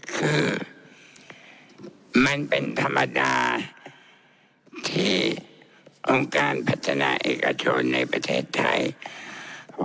คือมันเป็นธรรมดาที่ต้องการพัฒนาเอกชนในประเทศไทย